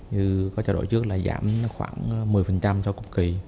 như có trò đổi trước là giảm khoảng một mươi sau cuộc kỳ